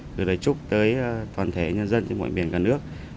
gửi lời chúc tới toàn thể nhân dân trên mọi biển cả nước